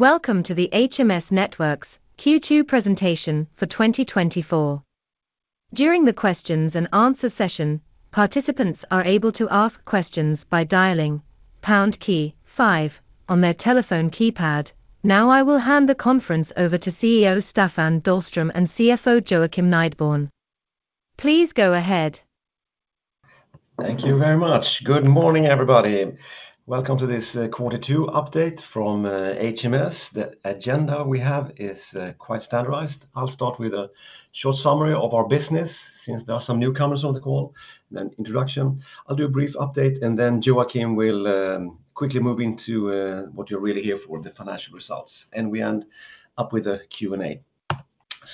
Welcome to the HMS Networks' Q2 presentation for 2024. During the questions and answer session, participants are able to ask questions by dialing pound key five on their telephone keypad. Now, I will hand the conference over to CEO Staffan Dahlström and CFO Joakim Nideborn. Please go ahead. Thank you very much. Good morning, everybody. Welcome to this quarter two update from HMS. The agenda we have is quite standardized. I'll start with a short summary of our business, since there are some newcomers on the call, then introduction. I'll do a brief update, and then Joakim will quickly move into what you're really here for, the financial results, and we end up with a Q&A.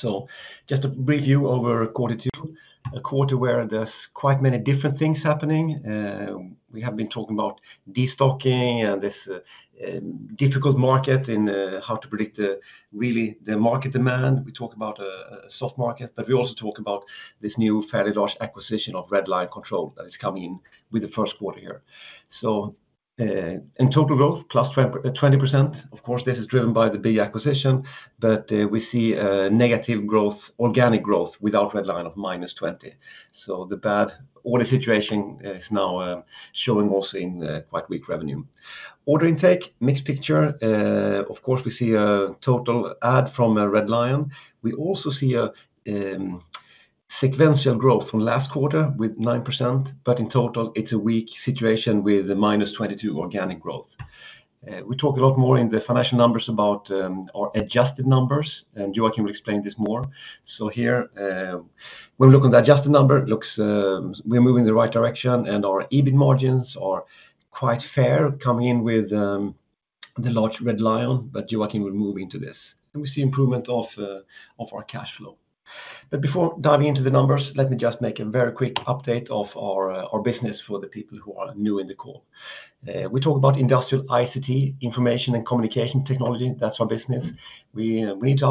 So just a brief view over quarter 2, a quarter where there's quite many different things happening. We have been talking about destocking and this difficult market and how to predict, really, the market demand. We talk about a soft market, but we also talk about this new fairly large acquisition of Red Lion Controls that is coming in with the first quarter here. So, in total growth, +20%. Of course, this is driven by the big acquisition, but, we see a negative growth, organic growth, without Red Lion of -20. So the bad order situation is now, showing also in, quite weak revenue. Order intake, mixed picture. Of course, we see a total add from, Red Lion. We also see a, sequential growth from last quarter with 9%, but in total, it's a weak situation with a -22% organic growth. We talk a lot more in the financial numbers about, our adjusted numbers, and Joakim will explain this more. So here, when we look at the adjusted number, it looks, we're moving in the right direction, and our EBIT margins are quite fair, coming in with, the large Red Lion, but Joakim will move into this. We see improvement of our cash flow. But before diving into the numbers, let me just make a very quick update of our business for the people who are new in the call. We talk about Industrial ICT, information and communication technology. That's our business. We need to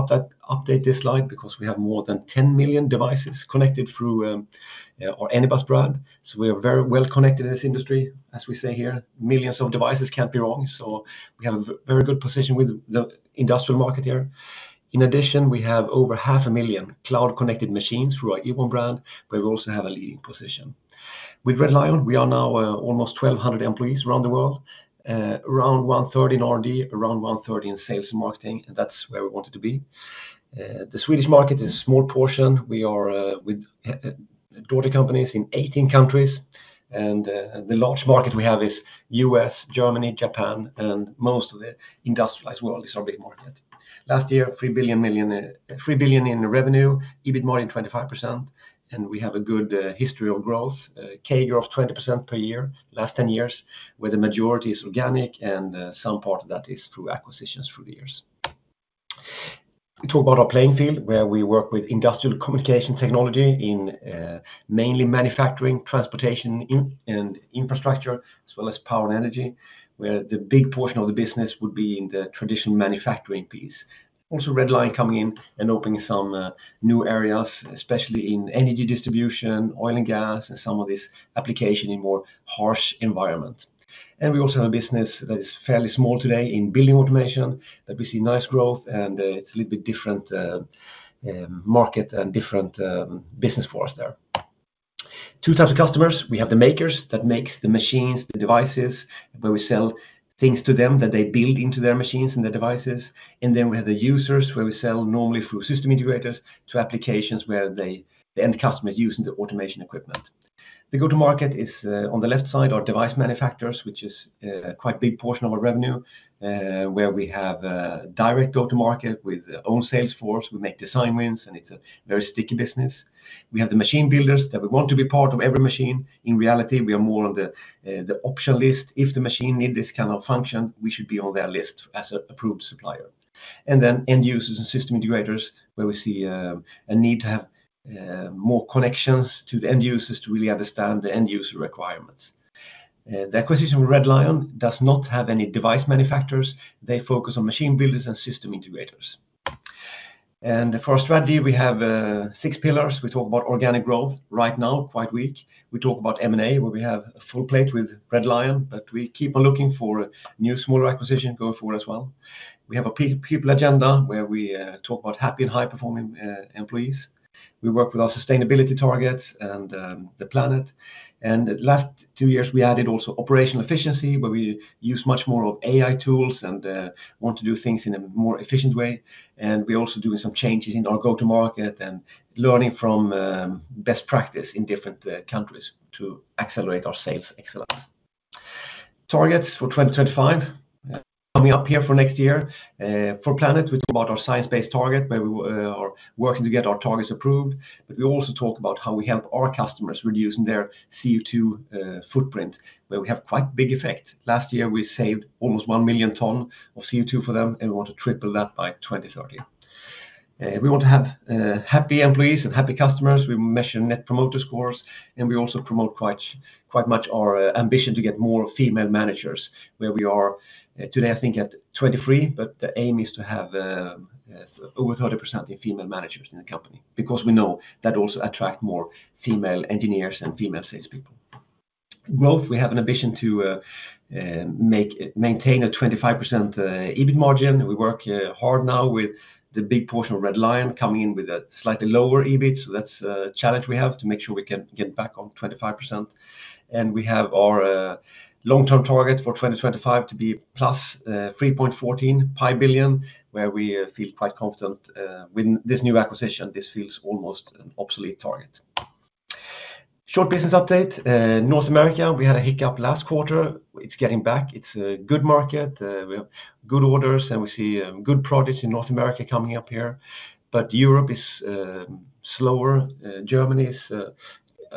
update this slide because we have more than 10 million devices connected through our Anybus brand, so we are very well connected in this industry, as we say here, millions of devices can't be wrong, so we have a very good position with the industrial market here. In addition, we have over half a million cloud-connected machines through our Ewon brand, where we also have a leading position. With Red Lion, we are now almost 1,200 employees around the world, around 130 in R&D, around 130 in sales and marketing, and that's where we want it to be. The Swedish market is a small portion. We are with daughter companies in 18 countries, and the large market we have is U.S., Germany, Japan, and most of the industrialized world is our big market. Last year, 3 billion in revenue, EBIT margin 25%, and we have a good history of growth, CAGR 20% per year, last 10 years, where the majority is organic and some part of that is through acquisitions through the years. We talk about our playing field, where we work with industrial communication technology in mainly manufacturing, transportation, and infrastructure, as well as power and energy, where the big portion of the business would be in the traditional manufacturing piece. Also, Red Lion coming in and opening some new areas, especially in energy distribution, oil and gas, and some of this application in more harsh environments. We also have a business that is fairly small today in building automation, that we see nice growth and it's a little bit different market and different business for us there. Two types of customers. We have the makers that makes the machines, the devices, where we sell things to them that they build into their machines and their devices. And then we have the users, where we sell normally through system integrators to applications where they, the end customer, is using the automation equipment. The go-to market is on the left side, our device manufacturers, which is quite a big portion of our revenue, where we have a direct go-to market with our own sales force. We make design wins, and it's a very sticky business. We have the machine builders that we want to be part of every machine. In reality, we are more on the option list. If the machine need this kind of function, we should be on their list as an approved supplier. And then end users and system integrators, where we see a need to have more connections to the end users to really understand the end user requirements. The acquisition with Red Lion does not have any device manufacturers. They focus on machine builders and system integrators. For our strategy, we have six pillars. We talk about organic growth, right now, quite weak. We talk about M&A, where we have a full plate with Red Lion, but we keep on looking for a new, smaller acquisition going forward as well. We have a people agenda, where we talk about happy and high-performing employees. We work with our sustainability targets and the planet. The last two years, we added also operational efficiency, where we use much more of AI tools and want to do things in a more efficient way. We're also doing some changes in our go-to market and learning from best practice in different countries to accelerate our sales excellence. Targets for 2025, coming up here for next year. For planet, we talk about our science-based target, where we are working to get our targets approved. But we also talk about how we help our customers reducing their CO2 footprint, where we have quite big effect. Last year, we saved almost 1 million ton of CO2 for them, and we want to triple that by 2030. We want to have happy employees and happy customers. We measure Net Promoter Scores, and we also promote quite, quite much our ambition to get more female managers, where we are today, I think, at 23, but the aim is to have over 30% in female managers in the company, because we know that also attract more female engineers and female salespeople. growth, we have an ambition to make maintain a 25% EBIT margin. We work hard now with the big portion of Red Lion coming in with a slightly lower EBIT, so that's a challenge we have to make sure we can get back on 25%. We have our long-term target for 2025 to be +3.14 billion, where we feel quite confident with this new acquisition; this feels almost an obsolete target. Short business update, North America, we had a hiccup last quarter. It's getting back. It's a good market, we have good orders, and we see good progress in North America coming up here. But Europe is slower, Germany is a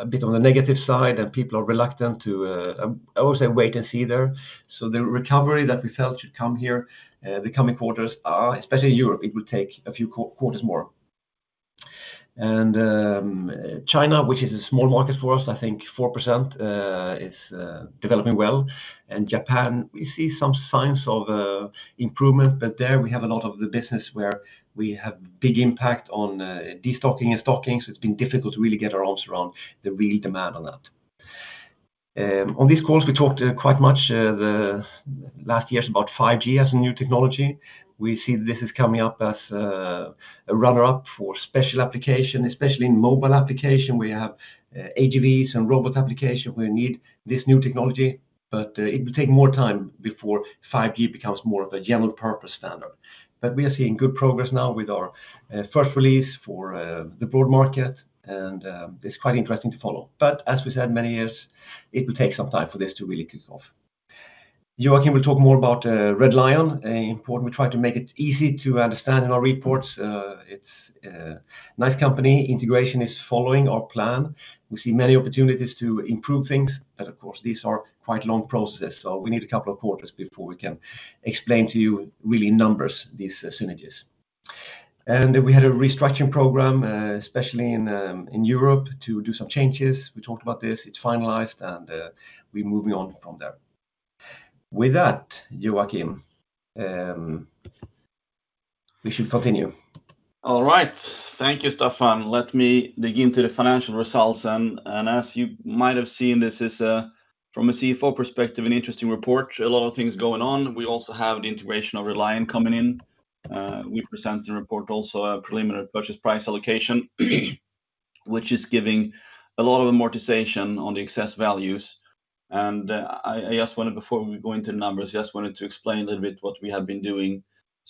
bit on the negative side, and people are reluctant to, I would say, wait and see there. So the recovery that we felt should come here, the coming quarters are, especially Europe, it will take a few quarters more. China, which is a small market for us, I think 4%, is developing well. Japan, we see some signs of improvement, but there we have a lot of the business where we have big impact on destocking and stocking, so it's been difficult to really get our arms around the real demand on that. On this call, we talked quite much the last years about 5G as a new technology. We see this is coming up as a runner-up for special application, especially in mobile application. We have AGVs and robot application, we need this new technology, but it will take more time before 5G becomes more of a general purpose standard. But we are seeing good progress now with our first release for the broad market, and it's quite interesting to follow. But as we said many years, it will take some time for this to really kick off. Joakim will talk more about Red Lion, its important we try to make it easy to understand in our reports. It's a nice company. Integration is following our plan. We see many opportunities to improve things, but of course, these are quite long process, so we need a couple of quarters before we can explain to you really numbers, these synergies. And we had a restructuring program especially in Europe, to do some changes. We talked about this, it's finalized, and we're moving on from there. With that, Joakim, we should continue. All right. Thank you, Staffan. Let me dig into the financial results, and as you might have seen, this is from a CFO perspective, an interesting report, a lot of things going on. We also have the integration of Red Lion coming in. We presented a report, also a preliminary purchase price allocation, which is giving a lot of amortization on the excess values. And I just wanted, before we go into the numbers, just wanted to explain a little bit what we have been doing.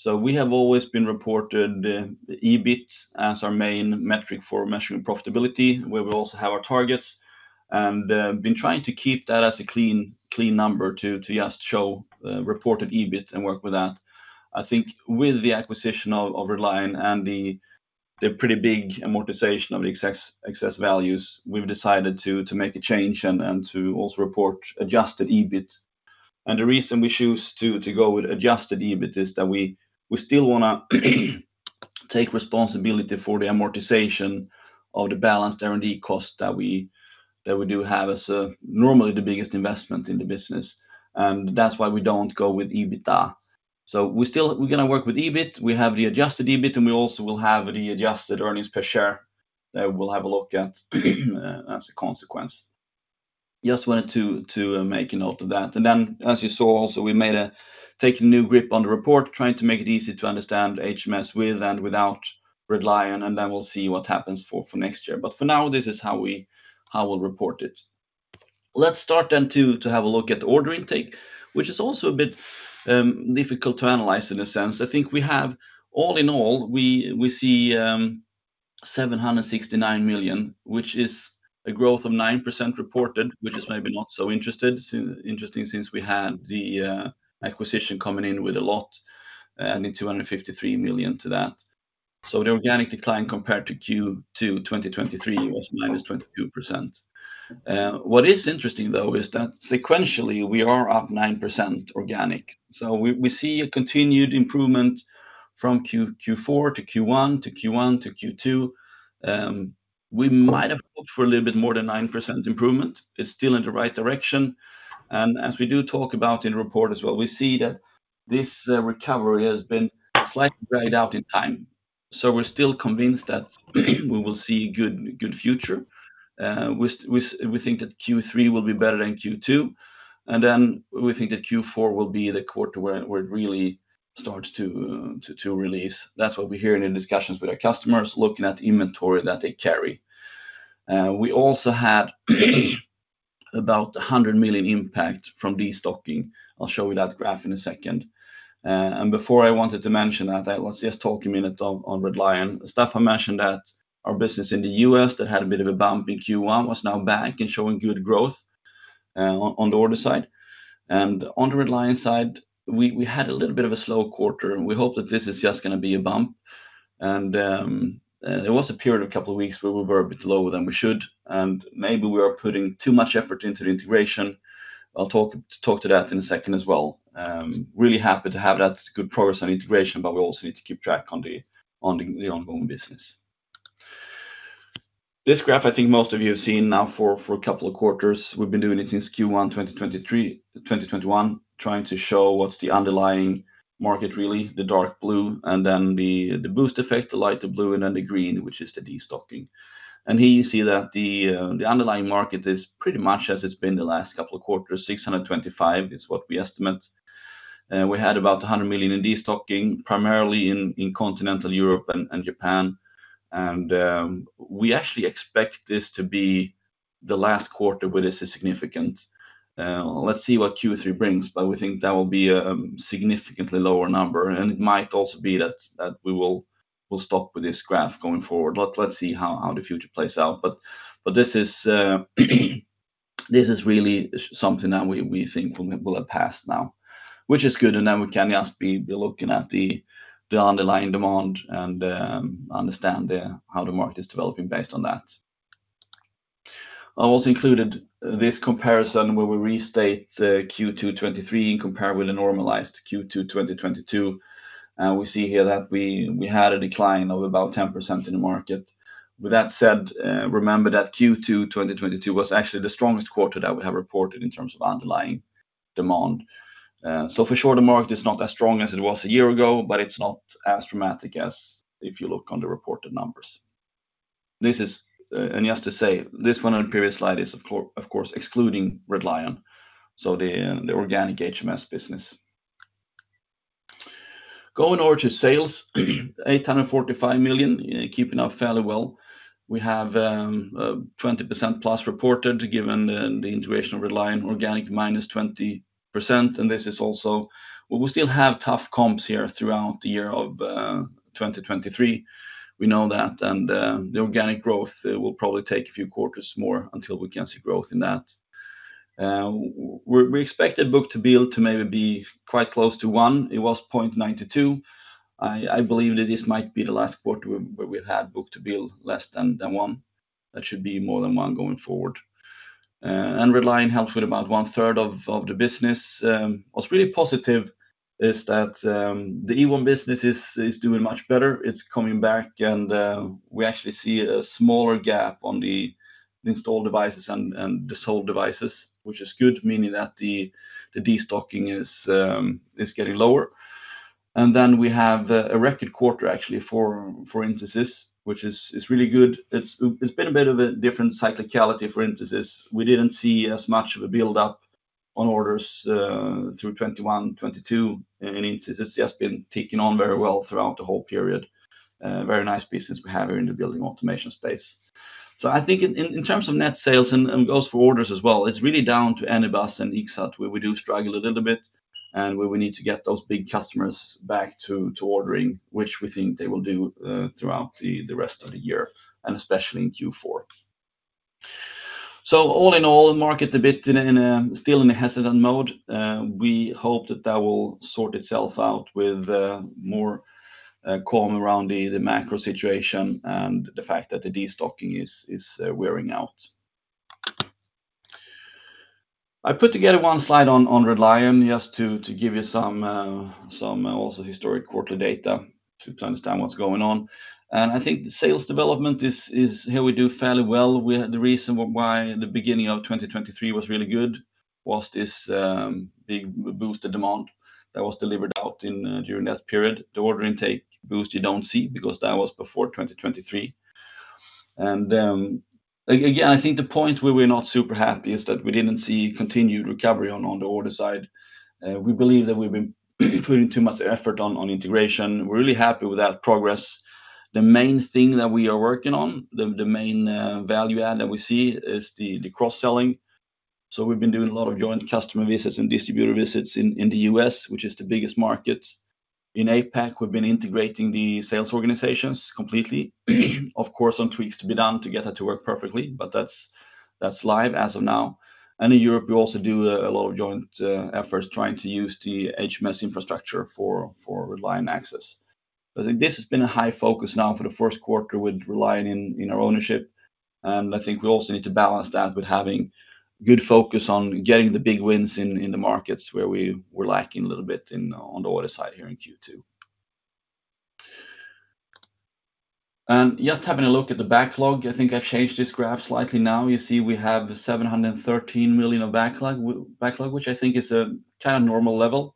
So we have always been reported the EBIT as our main metric for measuring profitability, where we also have our targets, and been trying to keep that as a clean, clean number to just show reported EBIT and work with that. I think with the acquisition of Red Lion and the pretty big amortization of the excess values, we've decided to make a change and to also report adjusted EBIT. And the reason we choose to go with adjusted EBIT is that we still want to take responsibility for the amortization of the balanced R&D cost that we do have as normally the biggest investment in the business, and that's why we don't go with EBITDA. So we still we're gonna work with EBIT, we have the adjusted EBIT, and we also will have the adjusted earnings per share that we'll have a look at, as a consequence. Just wanted to make a note of that. Then, as you saw also, we taken a new grip on the report, trying to make it easy to understand HMS with and without Red Lion, and then we'll see what happens for next year. But for now, this is how we'll report it. Let's start then to have a look at the order intake, which is also a bit difficult to analyze in a sense. I think we have, all in all, we see 769 million, which is a growth of 9% reported, which is maybe not so interesting, since we had the acquisition coming in with a lot and in 253 million to that. So the organic decline compared to Q2 2023 was -22%. What is interesting, though, is that sequentially, we are up 9% organic. So we see a continued improvement from Q4 to Q1, to Q1 to Q2. We might have hoped for a little bit more than 9% improvement. It's still in the right direction. As we do talk about in the report as well, we see that this recovery has been slightly dried out in time. So we're still convinced that we will see good future. We think that Q3 will be better than Q2, and then we think that Q4 will be the quarter where it really starts to release. That's what we hear in the discussions with our customers, looking at the inventory that they carry. We also have about 100 million impact from destocking. I'll show you that graph in a second. And before I wanted to mention that, I was just talking a minute on Red Lion. Staffan mentioned that our business in the U.S., that had a bit of a bump in Q1, was now back and showing good growth on the order side. And on the Red Lion side, we had a little bit of a slow quarter, and we hope that this is just gonna be a bump. And there was a period of a couple of weeks where we were a bit lower than we should, and maybe we are putting too much effort into the integration. I'll talk to that in a second as well. Really happy to have that good progress on integration, but we also need to keep track on the ongoing business. This graph, I think most of you have seen now for a couple of quarters. We've been doing it since Q1 2021, trying to show what's the underlying market really, the dark blue, and then the boost effect, the lighter blue, and then the green, which is the destocking. And here you see that the underlying market is pretty much as it's been the last couple of quarters, 625 million is what we estimate. We had about 100 million in destocking, primarily in continental Europe and Japan. And we actually expect this to be the last quarter where this is significant. Let's see what Q3 brings, but we think that will be a significantly lower number, and it might also be that we will stop with this graph going forward. Let's see how the future plays out. But this is really something that we think will have passed now, which is good, and then we can just be looking at the underlying demand and understand how the market is developing based on that. I also included this comparison, where we restate the Q2 2023 in comparison with a normalized Q2 2022, and we see here that we had a decline of about 10% in the market. With that said, remember that Q2 2022 was actually the strongest quarter that we have reported in terms of underlying demand. So for sure, the market is not as strong as it was a year ago, but it's not as dramatic as if you look on the reported numbers. This is... And just to say, this one on the previous slide is, of course, of course, excluding Red Lion, so the, the organic HMS business. Going over to sales, 845 million, keeping up fairly well. We have, 20%+ reported, given the, the integration of Red Lion, organic -20%, and this is also. We will still have tough comps here throughout the year of 2023. We know that, and, the organic growth, will probably take a few quarters more until we can see growth in that. We expected book-to-bill to maybe be quite close to one. It was 0.92. I, I believe that this might be the last quarter where, where we've had book-to-bill less than, than one. That should be more than one going forward. And Red Lion helped with about one third of the business. What's really positive is that the Ewon business is doing much better. It's coming back, and we actually see a smaller gap on the installed devices and the sold devices, which is good, meaning that the destocking is getting lower. And then we have a record quarter, actually, for Intesis, which is really good. It's been a bit of a different cyclicality for Intesis. We didn't see as much of a build-up on orders through 2021, 2022, and Intesis has just been ticking on very well throughout the whole period. Very nice business we have here in the building automation space. So I think in terms of net sales and goes for orders as well, it's really down to Anybus and Ixxat, where we do struggle a little bit, and where we need to get those big customers back to ordering, which we think they will do throughout the rest of the year, and especially in Q4. So all in all, the market's a bit still in a hesitant mode. We hope that will sort itself out with more calm around the macro situation and the fact that the destocking is wearing out. I put together one slide on Red Lion, just to give you some also historic quarterly data to understand what's going on. I think the sales development is here we do fairly well. We had the reason why the beginning of 2023 was really good was this, big boosted demand that was delivered out in, during that period. The order intake boost you don't see, because that was before 2023. And again, I think the point where we're not super happy is that we didn't see continued recovery on the order side. We believe that we've been putting too much effort on integration. We're really happy with that progress. The main thing that we are working on, the main value add that we see, is the cross-selling. So we've been doing a lot of joint customer visits and distributor visits in the U.S., which is the biggest market. In APAC, we've been integrating the sales organizations completely. Of course, some tweaks to be done to get that to work perfectly, but that's, that's live as of now. In Europe, we also do a lot of joint efforts trying to use the HMS infrastructure for, for Red Lion access. I think this has been a high focus now for the first quarter with Red Lion in, in our ownership, and I think we also need to balance that with having good focus on getting the big wins in, in the markets where we were lacking a little bit in, on the order side here in Q2. Just having a look at the backlog, I think I've changed this graph slightly now. You see we have 713 million of backlog, backlog, which I think is a kind of normal level.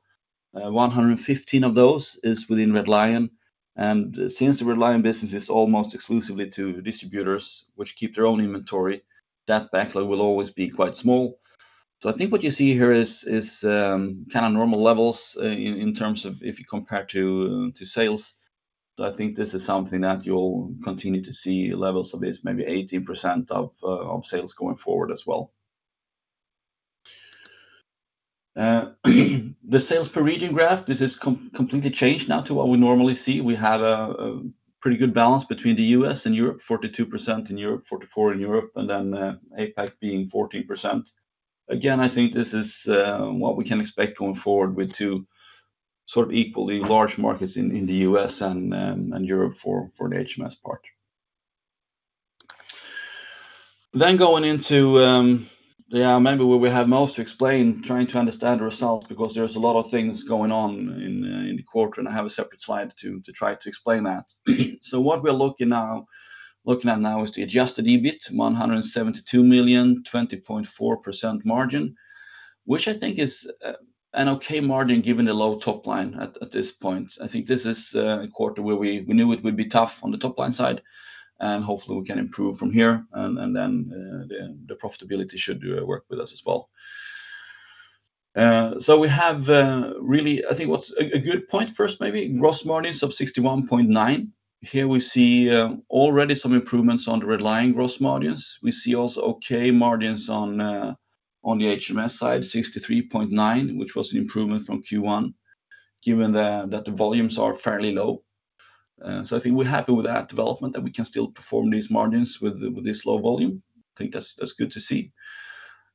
115 of those is within Red Lion, and since the Red Lion business is almost exclusively to distributors, which keep their own inventory, that backlog will always be quite small. So I think what you see here is kind of normal levels in terms of if you compare to sales. So I think this is something that you'll continue to see levels of this, maybe 18% of sales going forward as well. The sales per region graph, this is completely changed now to what we normally see. We have a pretty good balance between the U.S. and Europe, 42% in Europe, 44% in Europe, and then, APAC being 14%. Again, I think this is what we can expect going forward with two sort of equally large markets in the U.S. and Europe for the HMS part. Then going into yeah, maybe where we have most to explain, trying to understand ourselves, because there's a lot of things going on in the quarter, and I have a separate slide to try to explain that. So what we're looking at now is the adjusted EBIT, 172 million, 20.4% margin, which I think is an okay margin, given the low top line at this point. I think this is a quarter where we knew it would be tough on the top line side, and hopefully we can improve from here, and then the profitability should work with us as well. So we have really, I think what's a good point first, maybe, gross margins of 61.9%. Here we see already some improvements on the Red Lion gross margins. We see also okay margins on the HMS side, 63.9%, which was an improvement from Q1, given that the volumes are fairly low. So I think we're happy with that development, that we can still perform these margins with this low volume. I think that's good to see.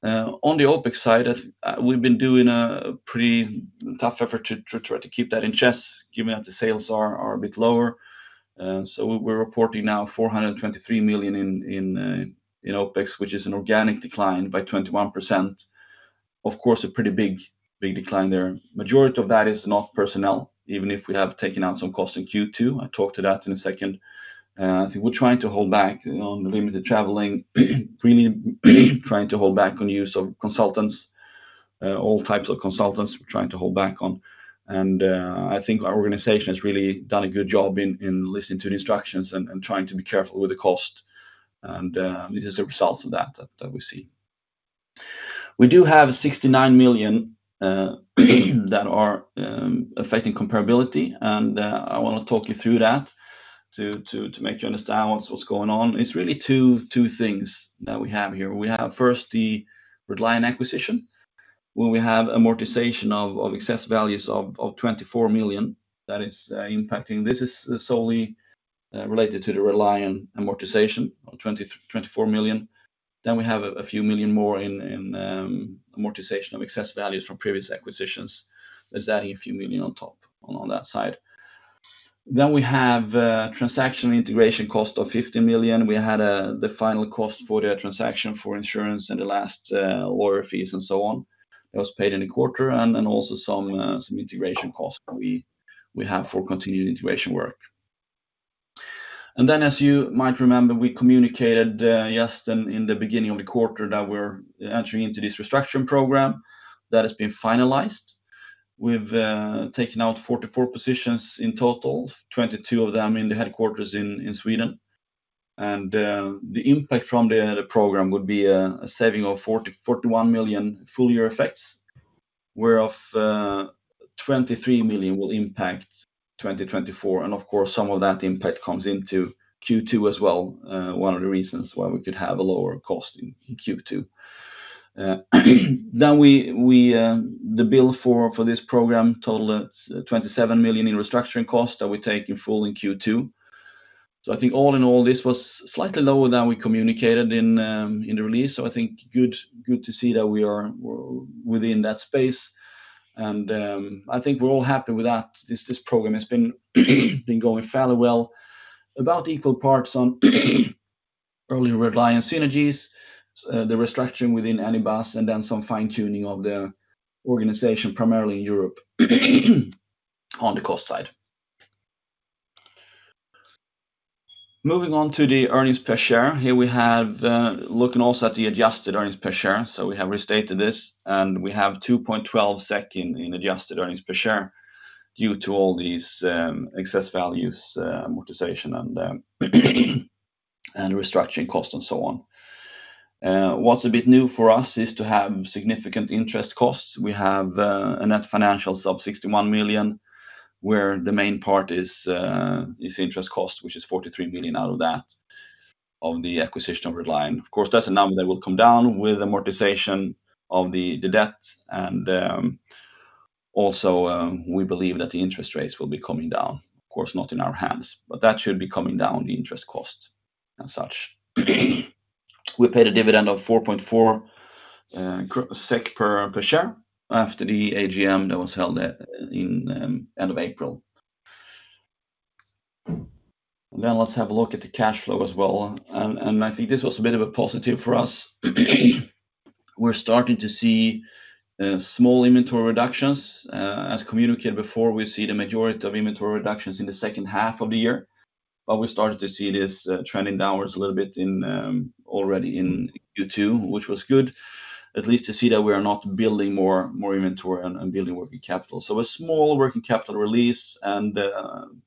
On the OpEx side, I—we've been doing a pretty tough effort to try to keep that in check, given that the sales are a bit lower. So we're reporting now 423 million in OpEx, which is an organic decline by 21%. Of course, a pretty big, big decline there. Majority of that is not personnel, even if we have taken out some costs in Q2. I'll talk to that in a second. I think we're trying to hold back on limited traveling, really trying to hold back on use of consultants, all types of consultants, we're trying to hold back on. I think our organization has really done a good job in listening to the instructions and trying to be careful with the cost, and this is a result of that we see. We do have 69 million that are affecting comparability, and I want to talk you through that to make you understand what's going on. It's really two things that we have here. We have, first, the Red Lion acquisition, where we have amortization of excess values of 24 million that is impacting. This is solely related to the Red Lion amortization of 24 million. Then we have a few million more in amortization of excess values from previous acquisitions. There's that a few million on top, on that side. Then we have transaction integration cost of 50 million. We had the final cost for the transaction for insurance and the last lawyer fees and so on. That was paid in a quarter, and also some integration costs that we have for continued integration work. And then, as you might remember, we communicated, yes, in the beginning of the quarter that we're entering into this restructuring program that has been finalized. We've taken out 44 positions in total, 22 of them in the headquarters in Sweden. And the impact from the program would be a saving of 41 million full-year effects, whereof 23 million will impact 2024. Of course, some of that impact comes into Q2 as well, one of the reasons why we could have a lower cost in Q2. Then the bill for this program totaled 27 million in restructuring costs that we take in full in Q2. So I think all in all, this was slightly lower than we communicated in the release. So I think good to see that we are within that space, and I think we're all happy with that. This program has been going fairly well, about equal parts on early Red Lion synergies, the restructuring within Anybus, and then some fine-tuning of the organization, primarily in Europe, on the cost side. Moving on to the earnings per share. Here we have, looking also at the adjusted earnings per share, so we have restated this, and we have 2.12 in adjusted earnings per share due to all these excess values, amortization, and restructuring costs and so on. What's a bit new for us is to have significant interest costs. We have a net financials of 61 million, where the main part is interest cost, which is 43 million out of that, of the acquisition of Red Lion. Of course, that's a number that will come down with amortization of the debt, and also we believe that the interest rates will be coming down. Of course, not in our hands, but that should be coming down, the interest costs as such. We paid a dividend of 4.4 SEK per share after the AGM that was held in end of April. Then let's have a look at the cash flow as well. And I think this was a bit of a positive for us. We're starting to see small inventory reductions. As communicated before, we see the majority of inventory reductions in the second half of the year, but we started to see this trending downwards a little bit already in Q2, which was good, at least to see that we are not building more inventory and building working capital. So a small working capital release and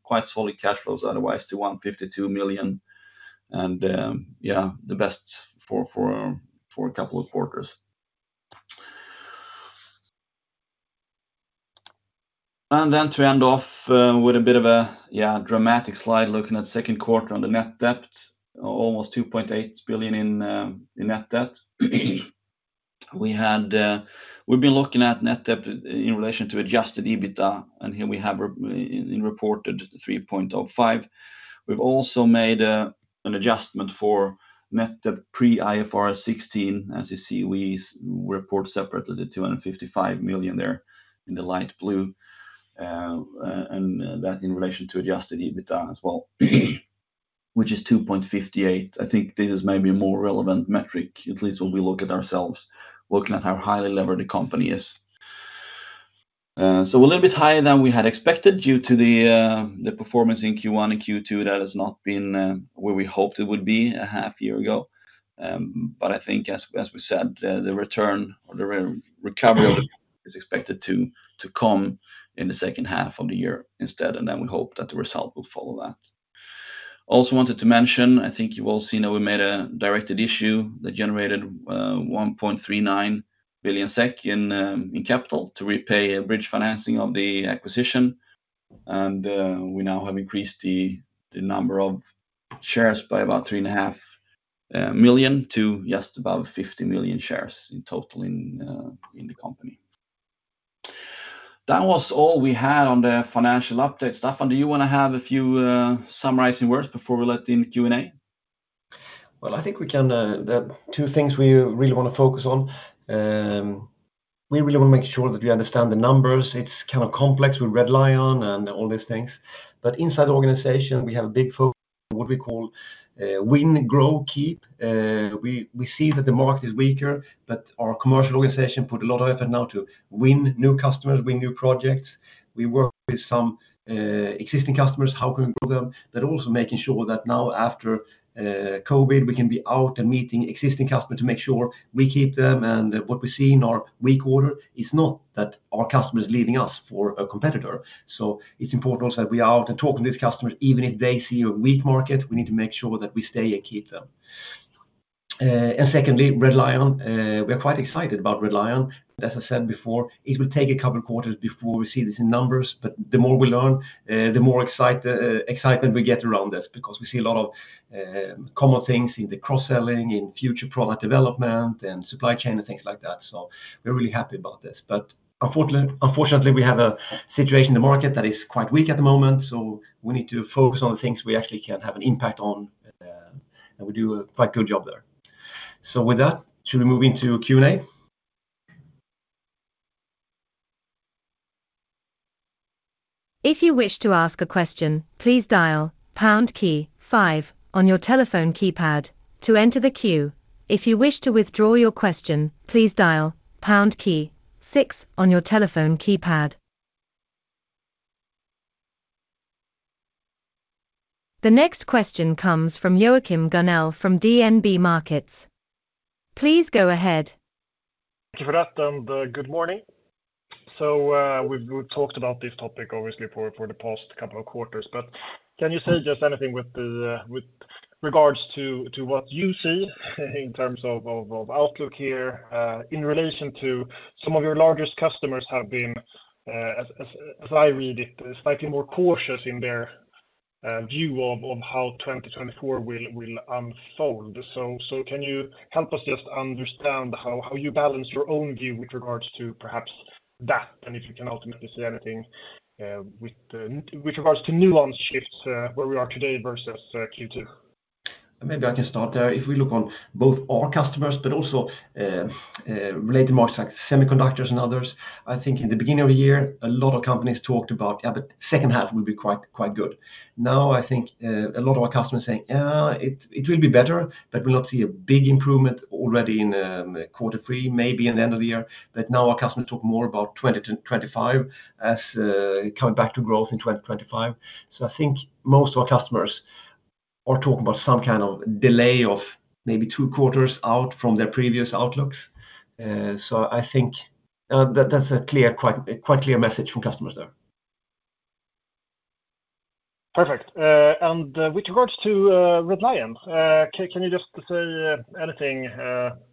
quite solid cash flows otherwise to 152 million, and yeah, the best for a couple of quarters. And then to end off, with a bit of a, yeah, dramatic slide, looking at the second quarter on the net debt, almost 2.8 billion in, in net debt. We had... We've been looking at net debt in relation to adjusted EBITDA, and here we have reported 3.05. We've also made, an adjustment for net debt pre-IFRS 16. As you see, we report separately the 255 million there in the light blue, and that in relation to adjusted EBITDA as well, which is 2.58. I think this is maybe a more relevant metric, at least when we look at ourselves, looking at how highly levered the company is. So a little bit higher than we had expected, due to the performance in Q1 and Q2, that has not been where we hoped it would be a half year ago. But I think as we said, the return or the recovery is expected to come in the second half of the year instead, and then we hope that the result will follow that. Also wanted to mention, I think you all see now we made a directed issue that generated 1.39 billion SEK in capital to repay a bridge financing of the acquisition. And we now have increased the number of shares by about 3.5 million to just above 50 million shares in total in the company. That was all we had on the financial update. Staffan, do you want to have a few summarizing words before we let in the Q&A? Well, I think we can, the two things we really want to focus on, we really want to make sure that we understand the numbers. It's kind of complex with Red Lion and all these things, but inside the organization, we have a big focus, what we call, win, grow, keep. We, we see that the market is weaker, but our commercial organization put a lot of effort now to win new customers, win new projects. We work with some, existing customers, how can we grow them? But also making sure that now after, COVID, we can be out and meeting existing customer to make sure we keep them, and what we see in our weak order is not that our customer is leaving us for a competitor. So it's important also that we are out and talking to the customers, even if they see a weak market, we need to make sure that we stay and keep them. And secondly, Red Lion. We are quite excited about Red Lion. As I said before, it will take a couple of quarters before we see this in numbers, but the more we learn, the more excitement we get around this, because we see a lot of common things in the cross-selling, in future product development, and supply chain, and things like that. So we're really happy about this. But unfortunately, unfortunately, we have a situation in the market that is quite weak at the moment, so we need to focus on the things we actually can have an impact on, and we do a quite good job there. So with that, should we move into Q&A? If you wish to ask a question, please dial pound key five on your telephone keypad to enter the queue. If you wish to withdraw your question, please dial pound key six on your telephone keypad. The next question comes from Joachim Gunell from DNB Markets. Please go ahead. Thank you for that, and good morning. So we've talked about this topic, obviously, for the past couple of quarters, but can you say just anything with regards to what you see in terms of outlook here, in relation to some of your largest customers have been, as I read it, slightly more cautious in their view of how 2024 will unfold. So can you help us just understand how you balance your own view with regards to perhaps that, and if you can ultimately say anything, with regards to nuance shifts, where we are today versus Q2? Maybe I can start. If we look on both our customers, but also, related markets like semiconductors and others, I think in the beginning of the year, a lot of companies talked about, yeah, the second half will be quite, quite good. Now, I think, a lot of our customers are saying, "It will be better, but we'll not see a big improvement already in quarter three, maybe in the end of the year." But now our customers talk more about 2024-2025, as coming back to growth in 2025. So I think most of our customers are talking about some kind of delay of maybe 2 quarters out from their previous outlooks. So I think, that's a clear, quite, quite clear message from customers there. Perfect. And, with regards to Red Lion, can you just say anything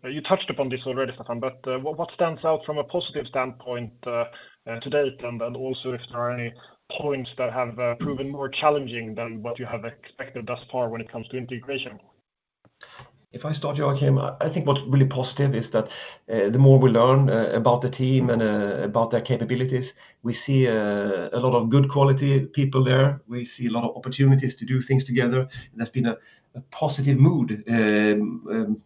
you touched upon this already, Staffan, but what stands out from a positive standpoint to date, and then also if there are any points that have proven more challenging than what you have expected thus far when it comes to integration? If I start, Joachim, I think what's really positive is that, the more we learn about the team and about their capabilities, we see a lot of good quality people there. We see a lot of opportunities to do things together. There's been a positive mood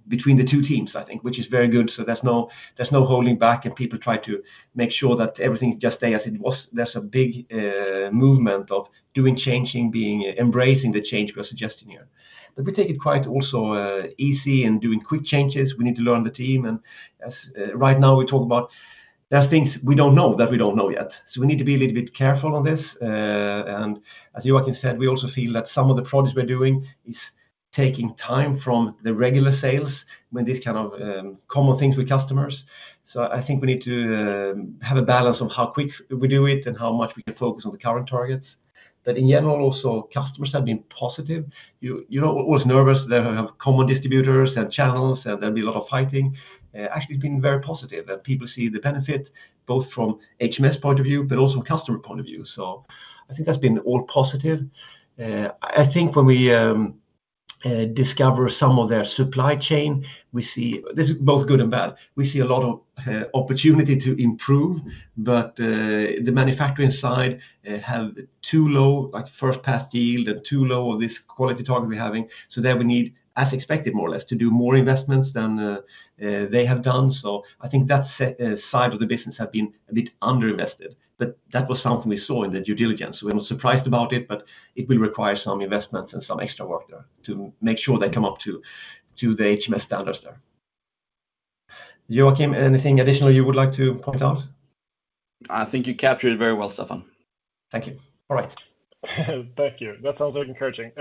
between the two teams, I think, which is very good. So there's no, there's no holding back, and people try to make sure that everything just stay as it was. There's a big movement of doing changing, being, embracing the change we are suggesting here. But we take it quite also easy and doing quick changes. We need to learn the team, and as right now, we talk about there are things we don't know, that we don't know yet. So we need to be a little bit careful on this. And as Joakim said, we also feel that some of the projects we're doing is taking time from the regular sales, when these kind of common things with customers. So I think we need to have a balance of how quick we do it and how much we can focus on the current targets. But in general, also, customers have been positive. You're always nervous. They have common distributors and channels, and there'll be a lot of fighting. Actually, it's been very positive, that people see the benefit, both from HMS point of view, but also customer point of view. So I think that's been all positive. I think when we discover some of their supply chain, we see this is both good and bad. We see a lot of opportunity to improve, but the manufacturing side have too low, like, first pass yield and too low of this quality target we're having. So there we need, as expected, more or less, to do more investments than they have done. So I think that side of the business have been a bit underinvested, but that was something we saw in the due diligence. We were not surprised about it, but it will require some investments and some extra work there to make sure they come up to the HMS standards there. Joakim, anything additional you would like to point out? I think you captured it very well, Staffan. Thank you. All right. Thank you. That sounds very encouraging.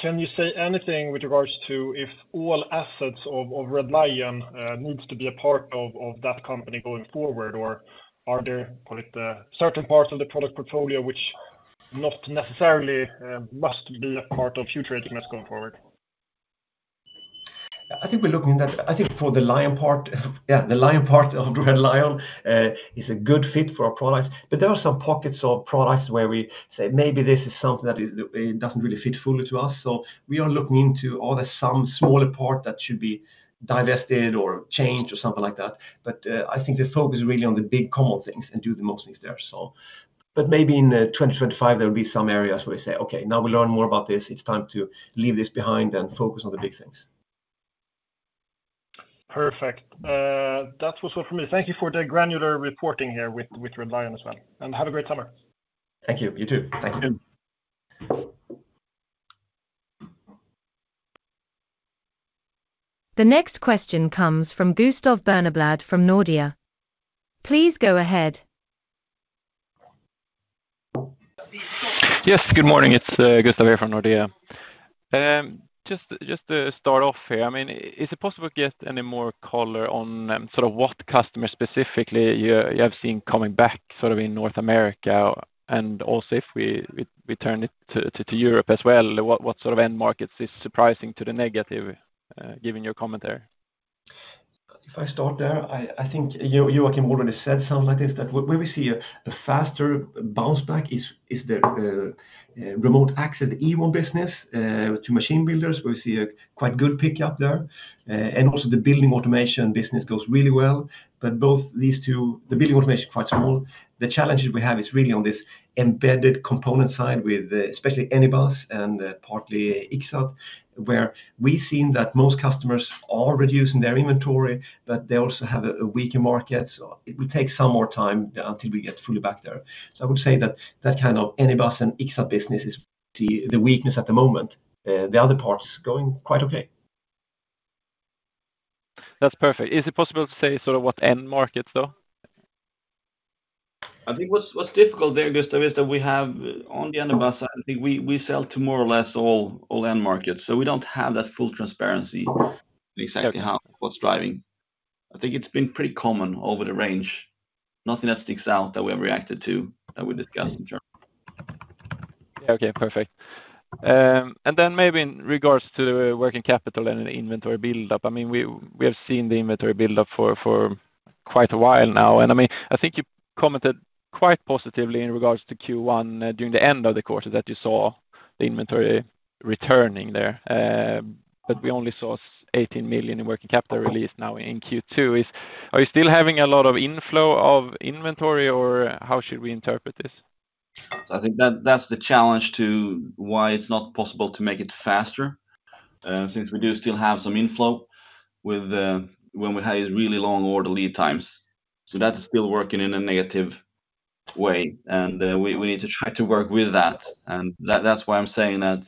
Can you say anything with regards to if all assets of Red Lion needs to be a part of that company going forward? Or are there, call it, certain parts of the product portfolio which not necessarily must be a part of future business going forward? I think we're looking at that. I think for the Lion part, yeah, the Lion part of Red Lion, is a good fit for our products, but there are some pockets of products where we say, maybe this is something that is, it doesn't really fit fully to us, so we are looking into are there some smaller part that should be divested or changed or something like that. But, I think the focus is really on the big common things and do the most things there, so... But maybe in, 2025, there will be some areas where we say, "Okay, now we learn more about this. It's time to leave this behind and focus on the big things." Perfect. That was all for me. Thank you for the granular reporting here with Red Lion as well, and have a great summer. Thank you. You too. Thank you. You too. The next question comes from Gustav Berneblad from Nordea. Please go ahead. Yes, good morning. It's Gustav here from Nordea. Just to start off here, I mean, is it possible to get any more color on sort of what customers specifically you have seen coming back sort of in North America? And also if we turn it to Europe as well, what sort of end markets is surprising to the negative, given your comment there? If I start there, I think Joakim already said something like this, that where we see a faster bounce back is the remote access Ewon business to machine builders. We see a quite good pick-up there. And also the building automation business goes really well. But both these two, the building automation, quite small. The challenges we have is really on this embedded component side with especially Anybus and partly Ixxat, where we've seen that most customers are reducing their inventory, but they also have a weaker market. So it will take some more time until we get fully back there. So I would say that that kind of Anybus and Ixxat business is the weakness at the moment. The other parts going quite okay. That's perfect. Is it possible to say sort of what end markets though? I think what's difficult there, Gustav, is that we have on the Anybus side, I think we sell to more or less all end markets, so we don't have that full transparency- Okay... exactly how, what's driving. I think it's been pretty common over the range. Nothing that sticks out that we have reacted to, that we discussed in terms. Yeah, okay, perfect. And then maybe in regards to working capital and inventory buildup, I mean, we, we have seen the inventory buildup for, for quite a while now, and, I mean, I think you commented quite positively in regards to Q1 during the end of the quarter, that you saw the inventory returning there, but we only saw 18 million in working capital release now in Q2. Are you still having a lot of inflow of inventory, or how should we interpret this? I think that's the challenge to why it's not possible to make it faster, since we do still have some inflow with the, when we have these really long order lead times. So that is still working in a negative way, and we need to try to work with that. And that's why I'm saying that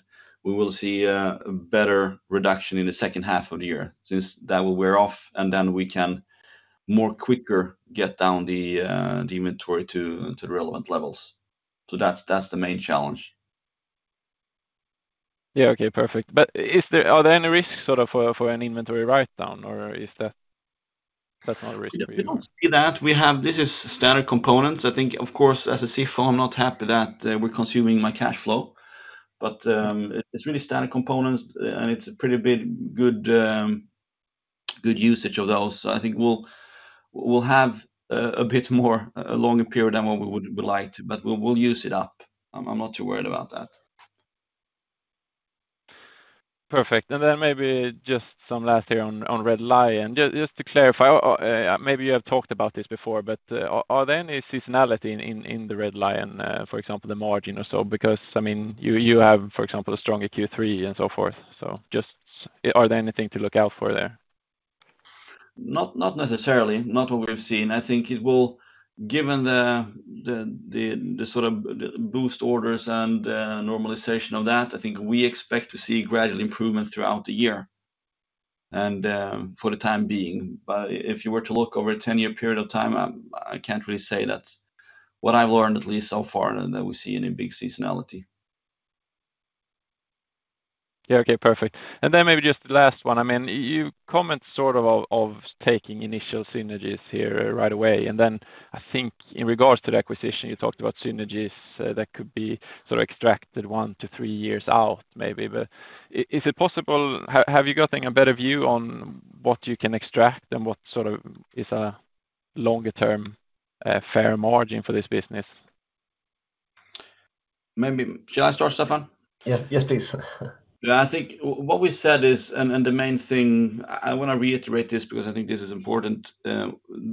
we will see a better reduction in the second half of the year, since that will wear off, and then we can more quicker get down the the inventory to the relevant levels. So that's the main challenge. Yeah, okay, perfect. But is there... Are there any risks sort of for, for an inventory write-down, or is that, that's not a risk for you? We don't see that. This is standard components. I think, of course, as a CFO, I'm not happy that we're consuming my cash flow, but it's really standard components, and it's a pretty big, good usage of those. So I think we'll have a bit more, a longer period than what we would like, but we'll use it up. I'm not too worried about that. Perfect. And then maybe just some last here on Red Lion. Just to clarify, maybe you have talked about this before, but are there any seasonality in the Red Lion, for example, the margin or so? Because, I mean, you have, for example, a stronger Q3 and so forth, so just... Are there anything to look out for there? Not necessarily. Not what we've seen. I think it will... Given the sort of boost orders and normalization of that, I think we expect to see gradual improvements throughout the year, and for the time being. But if you were to look over a 10-year period of time, I can't really say that what I've learned, at least so far, that we see any big seasonality. Yeah, okay, perfect. And then maybe just the last one. I mean, you comment sort of of taking initial synergies here right away, and then I think in regards to the acquisition, you talked about synergies that could be sort of extracted one to three years out, maybe. But is it possible... Have you gotten a better view on what you can extract and what sort of is a longer term, fair margin for this business? Maybe... Shall I start, Staffan? Yes. Yes, please. Yeah, I think what we said is, and the main thing, I want to reiterate this because I think this is important,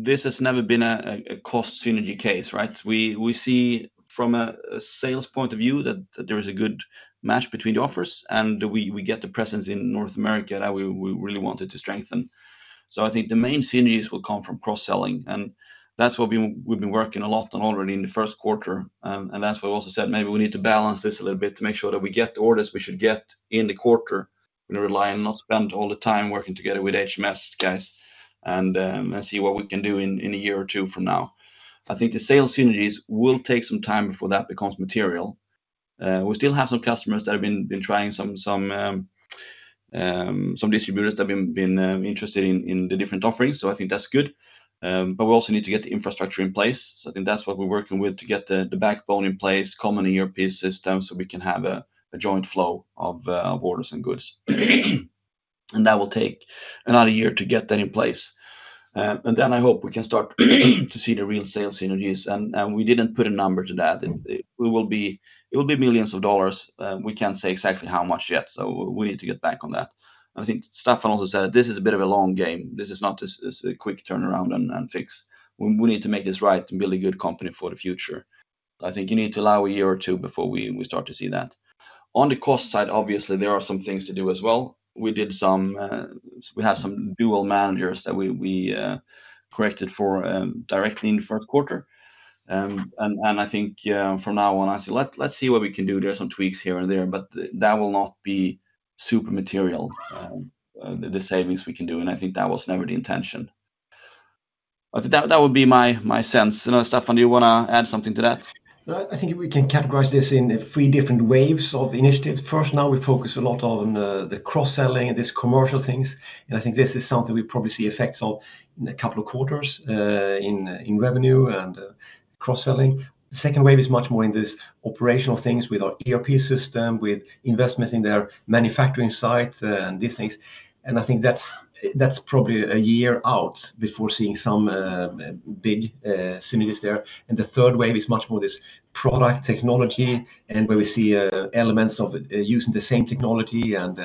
this has never been a cost synergy case, right? We see from a sales point of view that there is a good match between the offers, and we get the presence in North America that we really wanted to strengthen. So I think the main synergies will come from cross-selling, and that's what we've been working a lot on already in the first quarter. And that's why I also said maybe we need to balance this a little bit to make sure that we get the orders we should get in the quarter, and rely on not spend all the time working together with HMS guys, and see what we can do in a year or two from now. I think the sales synergies will take some time before that becomes material. We still have some customers that have been trying some distributors that have been interested in the different offerings, so I think that's good. But we also need to get the infrastructure in place. I think that's what we're working with, to get the backbone in place, common in European system, so we can have a joint flow of orders and goods. That will take another year to get that in place. And then I hope we can start to see the real sales synergies, and, and we didn't put a number to that. It will be millions of dollars, we can't say exactly how much yet, so we need to get back on that. I think Staffan also said, this is a bit of a long game. This is not just a quick turnaround and fix. We need to make this right to build a good company for the future. I think you need to allow a year or two before we start to see that. On the cost side, obviously, there are some things to do as well. We did some, we have some dual managers that we corrected for directly in the first quarter. And I think from now on, I say, let's see what we can do. There are some tweaks here and there, but that will not be super material, the savings we can do, and I think that was never the intention. But that would be my sense. You know, Staffan, do you wanna add something to that? Well, I think we can categorize this in three different waves of initiatives. First, now, we focus a lot on the cross-selling and these commercial things. And I think this is something we probably see effects of in a couple of quarters in revenue and cross-selling. The second wave is much more in this operational things with our ERP system, with investment in their manufacturing site and these things. And I think that's probably a year out before seeing some big synergies there. And the third wave is much more this product technology, and where we see elements of using the same technology and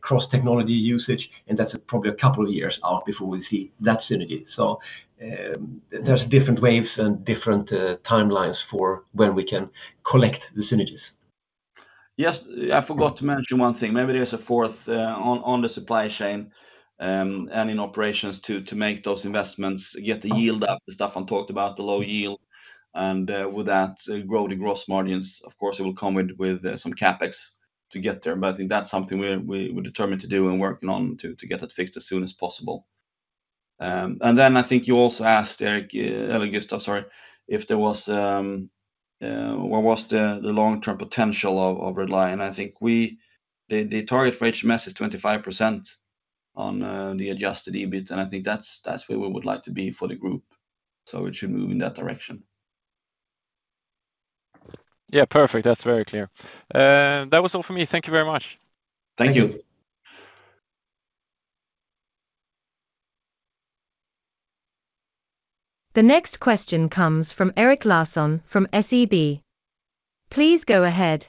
cross-technology usage, and that's probably a couple of years out before we see that synergy. So, there's different waves and different timelines for when we can collect the synergies. Yes, I forgot to mention one thing. Maybe there's a fourth on the supply chain and in operations to make those investments, get the yield up. The stuff I talked about, the low yield, and with that, grow the gross margins. Of course, it will come with some CapEx to get there, but I think that's something we're determined to do and working on to get that fixed as soon as possible. And then I think you also asked, Erik Gustav, sorry, if there was what was the long-term potential of Red Lion. I think the target for HMS is 25% on the adjusted EBIT, and I think that's where we would like to be for the group. So it should move in that direction. Yeah, perfect. That's very clear. That was all for me. Thank you very much. Thank you. The next question comes from Erik Larsson from SEB. Please go ahead.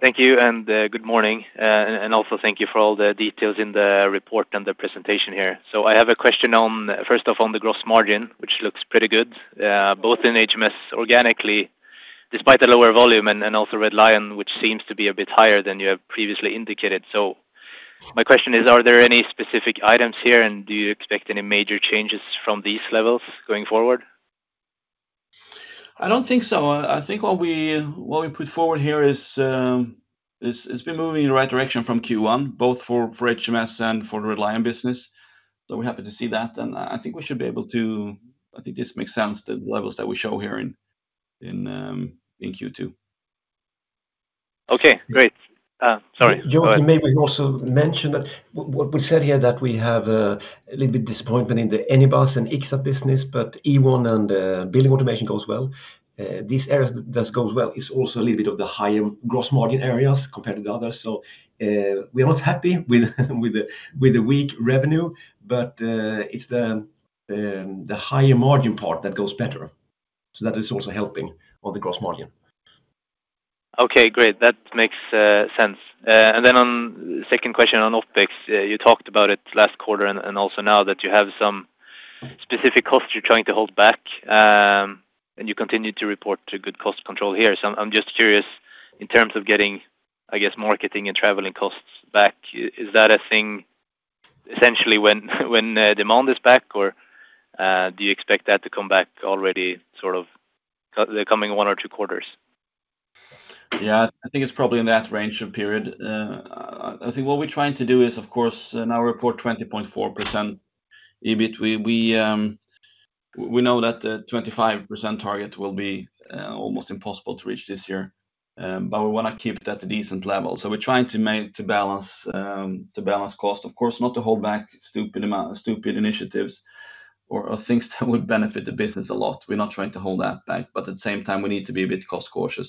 Thank you, and, good morning, and also thank you for all the details in the report and the presentation here. So I have a question on, first of on the gross margin, which looks pretty good, both in HMS organically, despite the lower volume, and, and also Red Lion, which seems to be a bit higher than you have previously indicated. So my question is, are there any specific items here, and do you expect any major changes from these levels going forward? I don't think so. I think what we put forward here is been moving in the right direction from Q1, both for HMS and for the Red Lion business. So we're happy to see that, and I think we should be able to... I think this makes sense, the levels that we show here in Q2. Okay, great. Sorry, go ahead. Yeah, we may also mention that what we said here, that we have a little bit disappointment in the Anybus and Ixxat business, but Ewon and Building Automation goes well. These areas that goes well is also a little bit of the higher gross margin areas compared to the others. So, we are not happy with the weak revenue, but it's the higher margin part that goes better. So that is also helping on the gross margin. Okay, great. That makes sense. And then on the second question on OpEx, you talked about it last quarter and also now that you have some specific costs you're trying to hold back, and you continue to report to good cost control here. So I'm just curious, in terms of getting, I guess, marketing and traveling costs back, is that a thing essentially when demand is back, or do you expect that to come back already sort of the coming one or two quarters? Yeah, I think it's probably in that range of period. I think what we're trying to do is, of course, now report 20.4% EBIT, we, we, we know that the 25% target will be almost impossible to reach this year, but we wanna keep it at a decent level. So we're trying to make to balance, to balance cost. Of course, not to hold back stupid initiatives or things that would benefit the business a lot. We're not trying to hold that back, but at the same time, we need to be a bit cost cautious.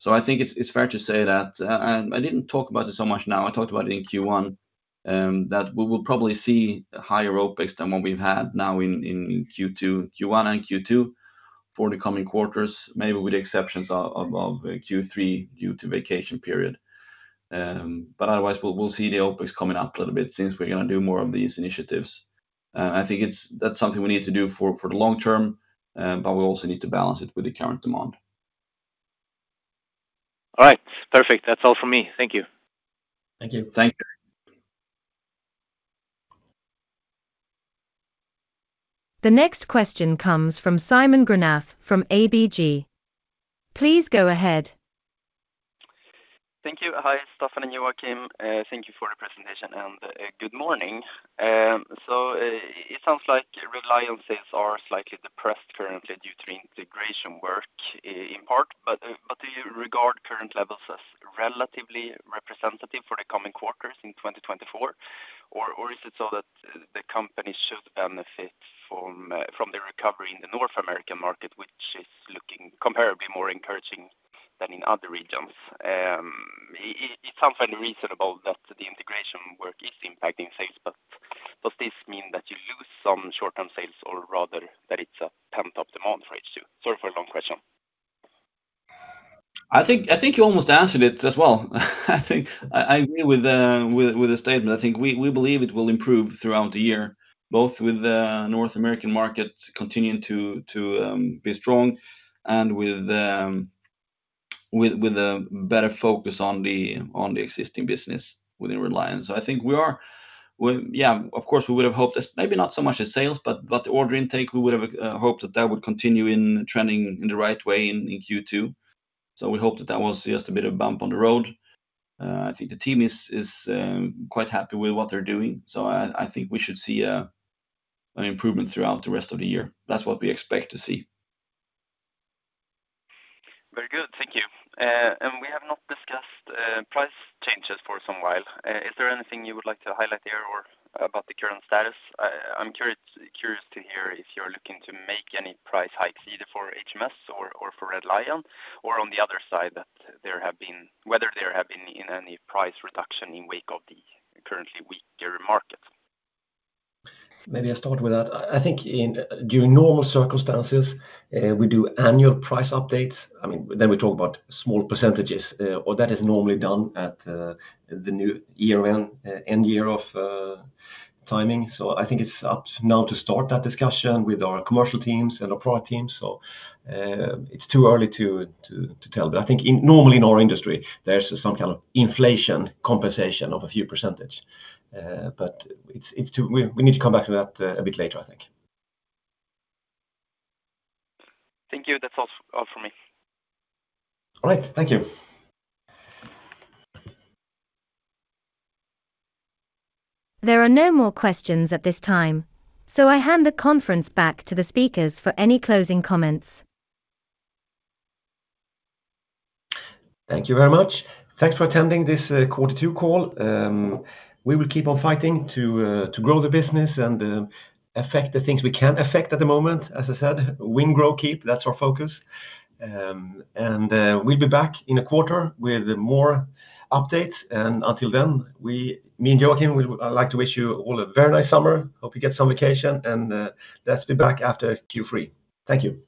So I think it's fair to say that and I didn't talk about it so much now, I talked about it in Q1, that we will probably see higher OpEx than what we've had now in Q1 and Q2 for the coming quarters, maybe with the exceptions of Q3 due to vacation period. But otherwise, we'll see the OpEx coming up a little bit since we're gonna do more of these initiatives. I think that's something we need to do for the long term, but we also need to balance it with the current demand. All right, perfect. That's all for me. Thank you. Thank you. Thank you. The next question comes from Simon Granath from ABG. Please go ahead. Thank you. Hi, Staffan and Joakim. Thank you for the presentation, and good morning. So, it sounds like Red Lion sales are slightly depressed currently due to integration work in part, but do you regard current levels as relatively representative for the coming quarters in 2024? Or, is it so that the company should benefit from the recovery in the North American market, which is looking comparably more encouraging than in other regions? It sounds very reasonable that the integration work is impacting sales, but this mean that you lose some short-term sales or rather that it's a pent-up demand for H2? Sorry for a long question. I think you almost answered it as well. I think I agree with the statement. I think we believe it will improve throughout the year, both with the North American market continuing to be strong and with a better focus on the existing business within Red Lion. I think we are. Yeah, of course, we would have hoped that maybe not so much the sales, but the order intake, we would have hoped that that would continue in trending in the right way in Q2. So we hope that that was just a bit of bump on the road. I think the team is quite happy with what they're doing, so I think we should see an improvement throughout the rest of the year. That's what we expect to see. Very good. Thank you. And we have not discussed price changes for some while. Is there anything you would like to highlight there or about the current status? I'm curious to hear if you're looking to make any price hikes, either for HMS or for Red Lion, or on the other side, that there have been... Whether there have been any price reduction in wake of the currently weaker market. Maybe I start with that. I think in, during normal circumstances, we do annual price updates. I mean, then we talk about small percentages, or that is normally done at, the new year end, end year of, timing. So I think it's up now to start that discussion with our commercial teams and our product teams. So, it's too early to tell. But I think in, normally in our industry, there's some kind of inflation compensation of a few percentage. But it's too... We need to come back to that, a bit later, I think. Thank you. That's all, all for me. All right. Thank you. There are no more questions at this time, so I hand the conference back to the speakers for any closing comments. Thank you very much. Thanks for attending this quarter two call. We will keep on fighting to grow the business and affect the things we can affect at the moment. As I said, win, grow, keep, that's our focus. We'll be back in a quarter with more updates, and until then, we, me and Joakim, we would like to wish you all a very nice summer. Hope you get some vacation, and let's be back after Q3. Thank you.